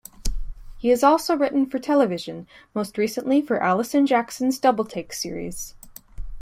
He has also written for television, most recently for Alison Jackson's "Doubletake" series.